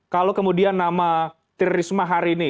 kalau kemudian nama tri risma hari ini